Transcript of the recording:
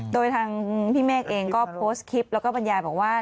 โดยทางพี่เมฆเองก็โพสต์คลิปแล้วก็บรรยายบอกว่า